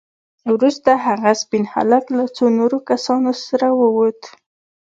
وروسته هغه سپين هلک له څو نورو کسانو سره ووت.